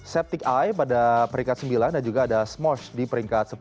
septic eye pada peringkat sembilan dan juga ada smosh di peringkat sepuluh